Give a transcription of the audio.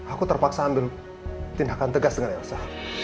aku terpaksa ambil tindakan tegas dengan elsa